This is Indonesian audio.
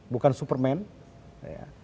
bukan superman ya